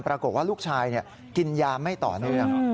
ปรากฏว่าลูกชายกินยาไม่ต่อเนื่อง